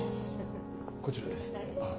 こちらです。